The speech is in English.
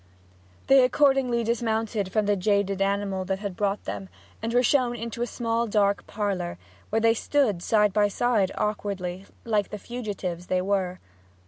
They accordingly dismounted from the jaded animal that had brought them, and were shown into a small dark parlour, where they stood side by side awkwardly, like the fugitives they were.